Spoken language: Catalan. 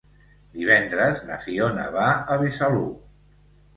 Divendres na Fiona va a Besalú.